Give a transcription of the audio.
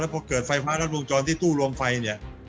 แล้วพอเกิดไฟฟ้าเซลสรวงจรที่ตู้รวมไฟเนี่ย